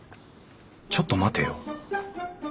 ちょっと待てよ。